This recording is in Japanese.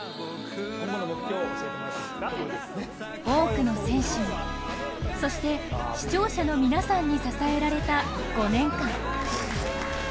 多くの選手に、そして視聴者の皆さんに支えられた５年間。